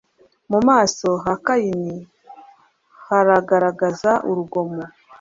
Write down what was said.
Mu maso ha Kaini haragagazaga urugomo,